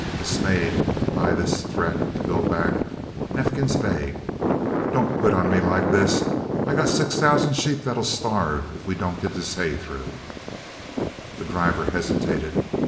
Dismayed by his threat to go back, Neifkins begged: "Don't quit me like this. I got six thousand sheep that'll starve if we don't git this hay through." The driver hesitated.